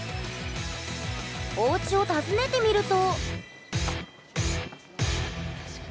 おうちを訪ねてみると。